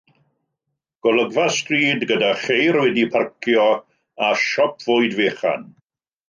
Golygfa stryd gyda cheir wedi'u parcio a siop fwyd fechan